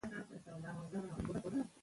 زده کړې نجونې د معلوماتو غلط فهمۍ کموي.